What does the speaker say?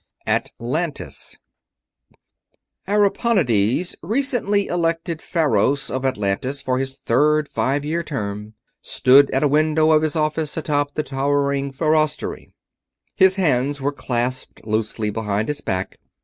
3. ATLANTIS Ariponides, recently elected Faros of Atlantis for his third five year term, stood at a window of his office atop the towering Farostery. His hands were clasped loosely behind his back.